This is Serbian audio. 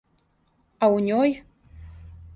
А у њој?